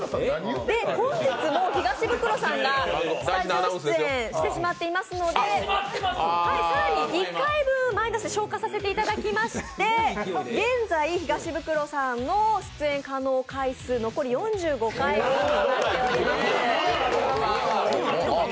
本日も東ブクロさんがスタジオ出演してしまっていますので、更に１回分をマイナス、消化させていただきまして、現在東ブクロさんの出演可能回数残り４５回分となっております。